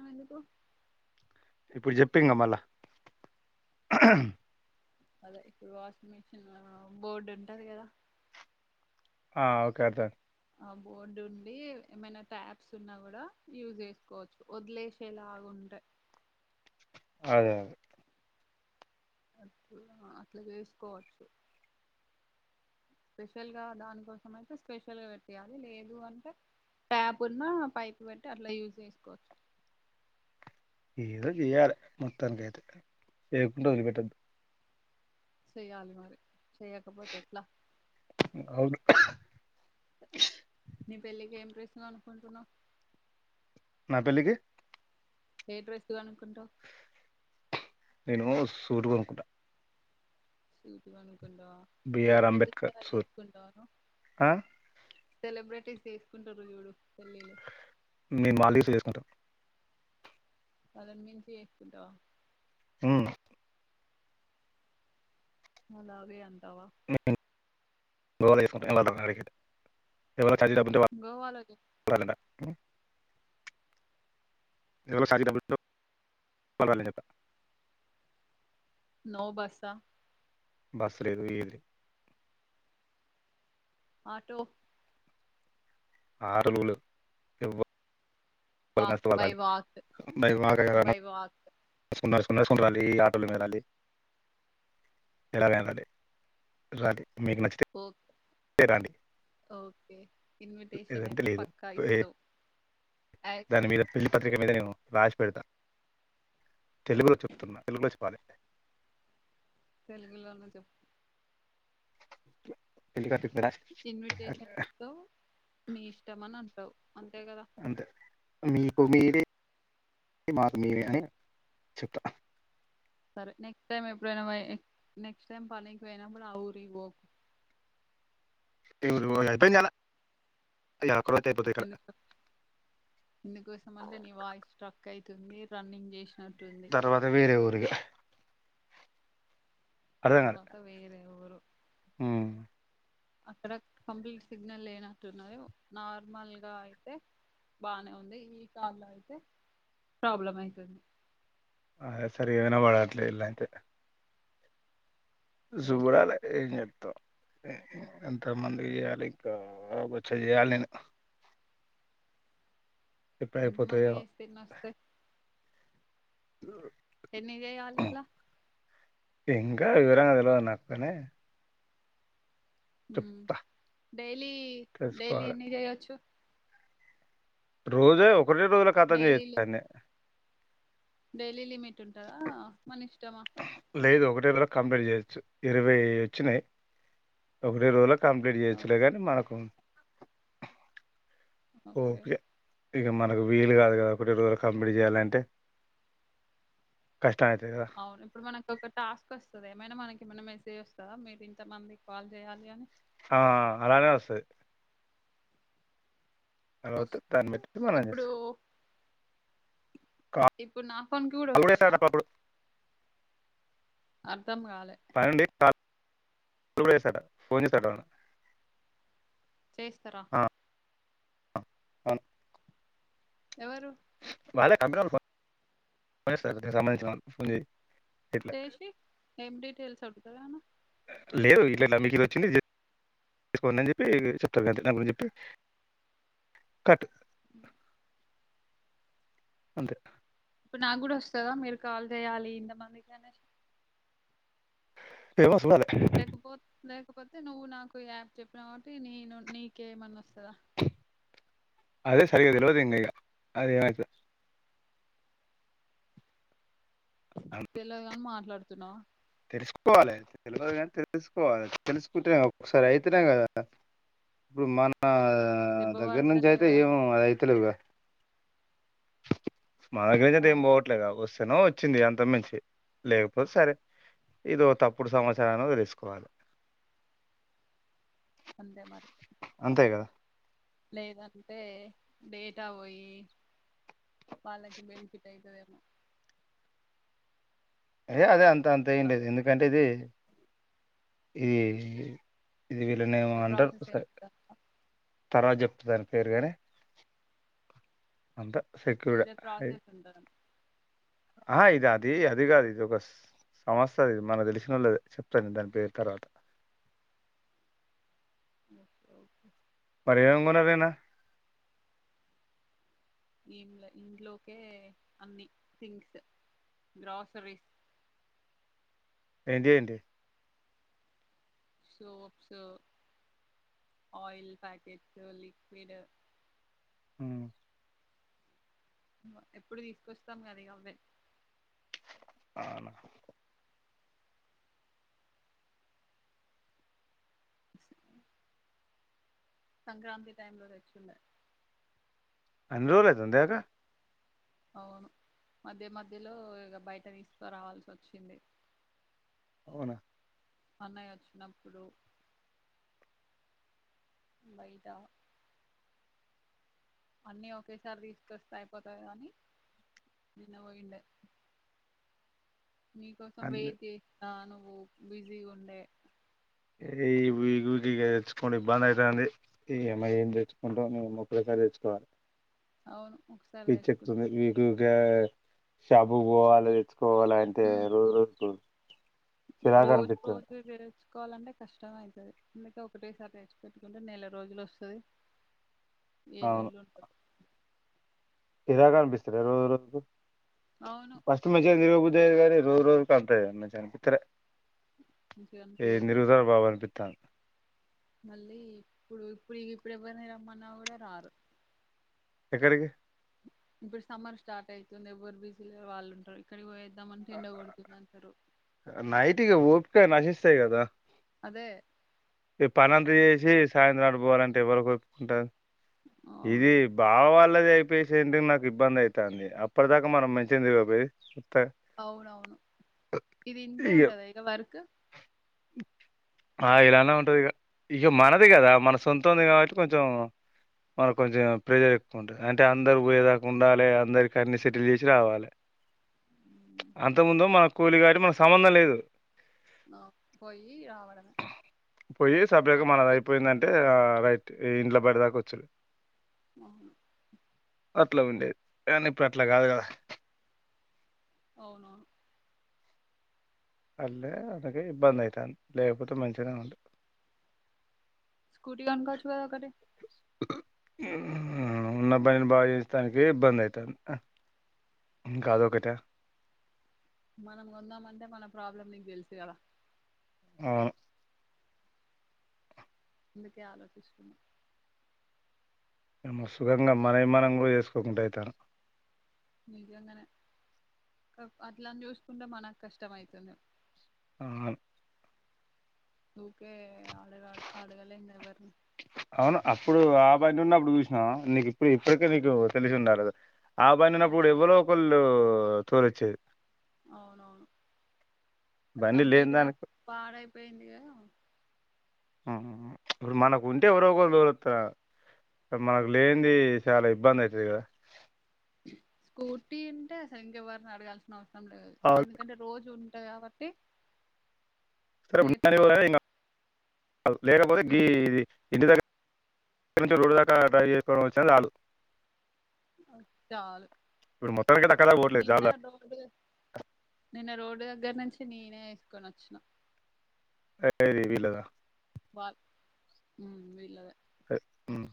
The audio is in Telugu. ఆ ఎందుకో ఇప్పుడు చెప్పా క మళ్ళా అదే ఇప్పుడు వాస్ మషన్ బోర్డు ఉంటది కదా ఆ ఓకే అదా ఆ బోర్డు ఉండి ఏమైనా ట్యాబ్స్ ఉన్నా కూడా యూజ చేసుకోవచ్చు వదిలేసేలాగాంటాయి అదే అదే అ అట్లా చేసుకోవచ్చు స్పెషల్గా దానికోసం అయితే స్పెషల్గా పెట్టేయాలి లేదు అంటే ట్యాప్ ఉన్నా పైప్ పెట్టి అట్లా యూజ్ చేసుకోవచ్చు ఏదో చెయాలి మొత్తానికైతే చేయకుంటూ వదిలిపెట్టద్దు చేయాల మారి చేయకపోతేట్లా అవును నీ పెళ్ళికి ఏం డ్రస్ కొనుకుంటున్నావు నా పెళ్లికి ఏ డ్రస్సు కొనుకుంట నేను సూటు కొనుక్కుంటా సూజ ను కుా బిఆర్ సెలబ్రేట్ అంబేద్కర్ ఇచ్చేలా సూట్ చేసుకుంటాను ఆ సెలబ్రిటీస్ చేసుకుంటారు చూడు పెళ్ళిళ్ళ మేము మాలీఫ చేసుకుంటాం పదిమంచి చేకుంట ఉమ్ అలావి అ బ ఎ అ ఎ గోవాలో ఇ సబ బళ చెపా నోబాసా బస్లేదుయలి ఆటో ఆరు నూలు వాక్ బై వాక్ [unintelligible] మ మా బై వాక్ సున్నారు సున్నారు సన్నరాలి ఆటోలు వెళ్రాలి ఎలాగ వెళాలి రాలి మీకు నష్ట ఓకే సర అండి ఓకే ఇన్విటేషన్ అయితే లేదు పక్కా ఏ ఇస్తాం దాని మీద పిల్లి పత్రిక మీదనే రాసి పెడతా తెలుగులో చెప్తున్నా తెలుగులో చెప్పాలి తెలుగులోన చెప్పు [inaudible] తెళ్లి క రా ఇన్విటేషన్ ఇస్తావు మీ ఇష్టం అని అంటావు. అంతే కదా అంతే మ్మ్ కు మీది మాకు మీరే అని చెప్ప సరే నెక్స్ట్ టైం ఎప్పుడైనా నెక్స్ట్ టైం పనికి పోయినప్పుడు ఆ ఊరికి ఒకు ఏ ఊరికి పోను అయిపోయిందడ ఎందుకు ఎందుకోసం అంటే నీ వాయిసు స్ట్రక్ అయి తుంది రన్నింగ్ చేసిన తర్వాత వేరే ఊరిగా అర్థం కాలే తర్వాత వేరే ఊరు ఉమ్ అక్కడ కంప్లీట్ సిగ్నల్ లేనట్టున్నది నార్మల్గా అయితే బానే ఉంది ఈ కాలో అయితే ప్రాబ్లం అయితుంది. అ సరే ఏవనా బాళద్లే ఇల్లైతే ఎస్ జుబరాలే ఎం ఎంతమందికి చేయాలి ఇంకా వచ్చే బోచెడు చేయాలి నేను ఎప్పుడు ఎంత అయిపోతాయో మందికి చేస్తే ఎన్ని వస్తయి ఎన్ని చేయాలి ఇట్లా ఇంకా వివరంగా తెలువది నాకు గాని డైలీ డైలీ తెలుసుకోవాలి ఎన్ని చేయచ్చు. రోజు కొది రోజులు ఖతం డైలీ చేయచ్చాన్ని డైలీ లిమిట్ ఉంటారా మన ఇష్టమా లేదు ఒకటే రోజుల కంప్లీట్ చేయొచ్చు ఇరవై వచ్చినాయి ఒకటే రోజుల కంప్లీట్ చేయచ్చులే కానీ మనకు ఓకే ఇగా మనకు వీలు కాదు కద ఒక్కటే రోజుల కంప్లీట్ చేయాలంటే కష్ట అవును ఇప్పుడు మనకు ఒక టాస్క్ వస్తది ఏమైనా మనకి ఏమన్నా మెసేజ్ వస్తా మీరు ఇంతమందికి కాల్ చేయాలి అని ఆ అలానే వస్తది. అలావా దన్ వస్తు పట్టు మనంస్ ఇప్పుడు ఇప్పుడు నా ఫోన్ కి కూడా వస్తద అ అర్థం కాలే ట పోని సట చేస్తార అను ఎవరు వాళ్ళ క ప [unintelligible] జయశ్రీ ఎమిటి తెలుసా తిక్కదనా లేదు ఇలా ఇలా మీకు ఇది వచ్చింది చేసుకోం అని చెప్పి చెప్తారు దాని గురించి చెప్పి కట్ అ అంతే ఇప్పుడు నాకు కూడా వస్తదా మీరు కాల్ చేయాలి ఇంతమంది కానే ఏవ ఫ్లగ్ బోత్ ఫ్లగ్ కాకపోతే నువ్వు నాకు యాప్ చెప్పిన కాబట్టి నీను నీకేమన్నా వస్త స అదే సరిగా తెలివదు ఇంగ కా అది ఏమ తెలవదుగాని మాట్లాడు తున్నావా తెలుసుకోవాలి తెలవదు కానీ తెలుసుకోవాలి తెలుసుకుంటే ఒకసారి అవుతునేం కదా ఇప్పుడు మన దెబ్బ దగ్గర నుంచి పడితేనే అయితే కదా ఏమ అయితులేవుగా మన దగ్గర నుంచి అయితే ఏం అవును పోవట్లే కదా వస్త ను వచ్చింది అంత మించి లేకపోతే సరే ఇదో తప్పుడు సమాచారాన్ని తెలుసుకోవాలి అంతే మరి అంతే కదా లేదంటే డేటా పోయి వాళ్ళకి బెనిఫిట్ అయితుందేమో ఏయ అదే అంత అ అంతే అట్లా లేదు ఎందుకంటే ఇది ఇ ఇది వీళ్ళనేమో అంటారు ప్రాసెస్ ఏం తర్వాత చెప్తా దాని పేరుగాని అంత సెక్యూర్ ఇదే ప్రాసెస్ ఉంటది ఆ ఇది అది అది కాది ఇది బస్ సమస్ ఇది మన తెలిసిన వాళ్ళ చెప్తండి దాని పేరు కరట ఓకే ఓకే పేంగదేనా ఇ ఇంట్లోకే అన్ని థింగ్స్ గ్రాసరీస్ ఏంటి ఏంటి సోప్స్ ఆయిల్ పాయాకెట్స్ లిక్విడ్ ఉమ్ ఉమ్ ఎప్పుడు తీసుకొస్తాం కద అవే అవునా స సంక్రాంతి టైమ్ లో తెచ్చి ఉండ అన్ని రోజులు అవుతుందాక అవును మధ్య మధ్యలో ఇక బయట తీసుకురావాల్సి వచ్చింది అవునా పన్నయ వచ్చినప్పుడు బయట అన్నీ ఒకేసారి తీసుకొస్తే అయిపోతంది అని నిన్న పోయిండే మీకోసం అన్ని వేయిది నను బిజీ ఉండే ఏ తెచ్చుకోండి ఇబ్బంది అవుతుంది ఈమఐ ఏం తెచ్చుకుంటో నుే ఒక్కసారి తెచ్చుకోవాలి అవును ఒకసారి తెచ్చుకుంటే పిచ్చెక్కుతుంద మీకుగా షాపుక్ బోవాలే పోవాల అంతే ఉమ్ రోజు రోజుకు చిరాగ్ అనిపితుంది కోవాలంటే కష్టం అయితది. అందుక ఒకటేసారి తేర్చి పెెట్టుకుంటే నెల రోజులు వస్తది. ఏ లొల్లి ఉండదు చిరాగానబిస్తద్ గా రోజు రోజ్క్ అవును ఫస్ట్ మెసేజ్ [unintelligible] న [unintelligible] ఏమో గాని రోజ్ రోజ్ కష్టమే మంచిగా అనిపితలే మంచిగా అనిపియదు ఎన్ని కదా రోజులు రా బాబు అనిపితంది మళ్ళీ ఇప్పుడు ఇప్పుడు ఇప్పుడిగా ఎవర్ని రమ్మన్నా కూడా రారు ఎక్కడికి ఇప్పుడు సమ్మర్ స్టార్ట్ అయితుంది. ఎవరు బిజీ వాళ్ళుంటారు ఇక్కడికి పోయే దమన్టే ఎండగొడుతుందంటారు. నైటిగా ఒపిక నశిస్తాయి కదా అదే ఈ పనంతా చేసి సాయంత్రం అటు పోవాలంటే ఎవలకు ఒపీకుంటది ఇది అవును బావా వాల కులదయ్ పేషెంట్ ఐయి నాకు ఇబ్బంది ఐతంది అప్పటి దాకా మనం మంచిగన్ దిగపోయి అవునవును ఇది ఇంతే ఇక ఉంటద ఇగ వర్క్ ఆ ఇలానే ఉంటది ఇగ ఇగ మనది కదా మన సొంతంది కాబట్టి కొంచెం మనకు కొంచెం ప్రెజర్ ఎక్కువ ఉంటది అంటే అందరు పోయేదాక ఉండాలి అందరికి అన్ని సెటిల్ చేసి రావాలి ప్చ్ అంత ముందు మన కూలి కాట్ మన సంబంధం లేదు నా పోయి రావడమే పోయి పర్ [unintelligible] ఏ ఇంట్లో పడదాక ఒచ్చద్ ఆ అట్లా ఉండేది కానీ ఇప్పుడు అట్లా కాదు కదా అవునవును అళే అనకి ఇబ్బంది ఐతంది లేకపోతే మంచిగనే ఉండు స్కూటీ కొనుకాచ్చు కదా ఒకటి ఉన్న బనిని బాగా చేయించటడానికి ఇబ్బంది ఐతంది ఇంకాదొకట మనం కొందామంటే మన ప్రాబ్లం నీకు తెలుసు కదా ఆవును ఇందుకే ఆలోచిస్తున్న ఏమో సుఖంగా మనవి మనం కూడా చేసుకోకుండా ఐతంది నిజంగనే అట్ల అని జస్కుంటే మనకు కష్టమైతాంది ఆవను ఊకే అలిల అడగలేం ఎవరిని అవును అప్పుడు ఆ బండి ఉన్నప్పుడు చూసినా నీకు ఇప్పుడు ఇప్పటికే నీకు తెలిసి ఉండాలే ఆ బండి ఉప్పుడు అవు- కూడా ఎవలో ఒకల్ ఊ తోలచ్చది అవునవును అది బండి లేని కంప్లీట్ గా దానికి పాడైపోయింది గని ప్చ్ ఇప్పుడు మనకు ఉంటే ఎవరో ఒకరు డోళ్తా మనకు లేనిది చాలా ఇబ్బంది ఐతది కదా స్కూటీ అంటేసలు ఇంక ఎవరిని అడగాల్సిన అవసరం పన్లే అవును, ఎందుకంటే రోజు ఉ టె యబట్టి సరే [unintelligible] ఏం గాదు లేకపోతే ఉమ్, గీది ఇంటి దగ్గర ఇక్క నుంచి రోడ్డుదాకా డ్రైవ్ చేసుకోవడం వచ్చిన సాలు చాలు అక్కడ దాకా పోవట్లేదు నిన్న జాబ్లా రోడ్ నిన్న రోడ్డు దగ్గర నుంచి నేనే ఇక నచ్చిన ఏ ర వీలదా వాల్ ఉమ్ వెలాధే ఏ ఉమ్